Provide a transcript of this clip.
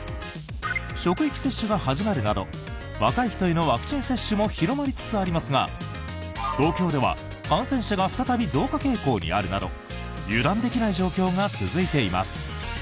職域接種が始まるなど若い人へのワクチン接種も広まりつつありますが東京では感染者が再び増加傾向にあるなど油断できない状況が続いています。